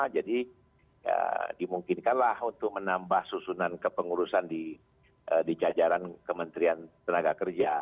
jadi dimungkinkanlah untuk menambah susunan kepengurusan di jajaran kementerian ketenagakerja